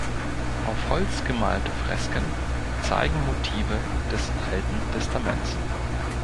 Auf Holz gemalte Fresken zeigen Motive des Alten Testaments.